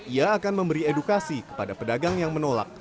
ia akan memberi edukasi kepada pedagang yang menolak